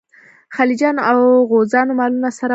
خلجیانو او غوزانو مالونه څرول.